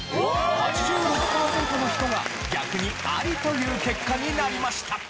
８６パーセントの人が逆にアリという結果になりました。